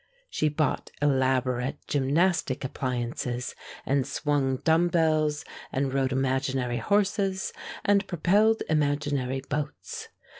She bought elaborate gymnastic appliances, and swung dumb bells and rode imaginary horses and propelled imaginary boats.